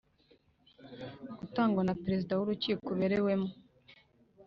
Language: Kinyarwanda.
gutangwa na Perezida w urukiko uberewemo